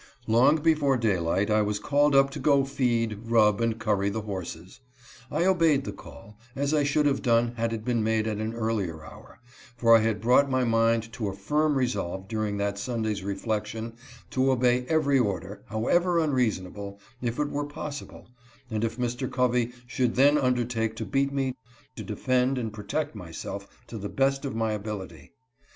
Long before daylight I was called up to go feed, rub, and curry the horses. I obeyed the call, as I should have done had it been made at an earlier hour, for I had brought my mind to a firm resolve during that Sunday's reflection to obey every order, however unreasonable, if it were possible, and if Mr. Covey should then undertake to beat me to defend and protect myself to the best of my ability.